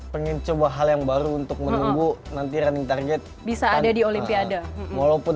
pengen coba hal yang baru untuk menunggu nanti running target bisa ada di olimpiade walaupun